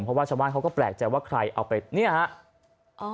เพราะว่าชาวบ้านเขาก็แปลกใจว่าใครเอาไปเนี่ยฮะ